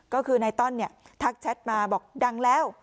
ก็คือในตอนทักแชทมาบอกดังแล้ว